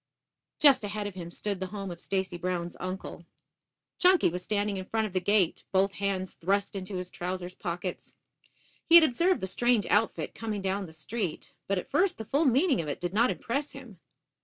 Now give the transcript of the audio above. Just ahead of him stood the home of Stacy Brown's uncle. Chunky was standing in front of the gate, both hands thrust into his trousers pockets. He had observed the strange outfit coming down the street, but at first the full meaning of it did not impress him.